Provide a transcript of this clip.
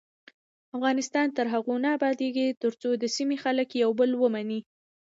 افغانستان تر هغو نه ابادیږي، ترڅو د سیمې خلک یو بل ومني.